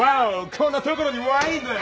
こんなところにワインです。